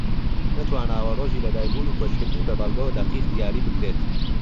نەتوانراوە ڕۆژی لە دایک بوون و کۆچکردنی بە بەڵگەوە دەقیق دیاری بکرێت